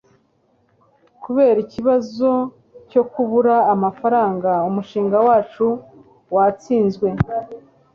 Kubera ikibazo cyo kubura amafaranga, umushinga wacu watsinzwe.